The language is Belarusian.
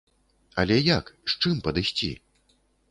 Але як, з чым падысці?